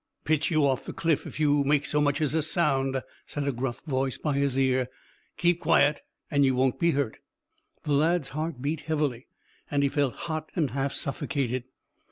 "Pitch you off the cliff if you make so much as a sound," said a gruff voice by his car. "Keep quiet, and you won't be hurt." The lad's heart beat heavily, and he felt hot and half suffocated.